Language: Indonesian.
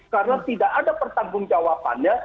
karena tidak ada pertanggung jawabannya